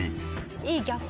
いいギャップ。